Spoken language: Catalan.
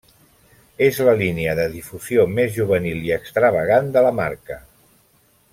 És la línia de difusió més juvenil i extravagant de la marca.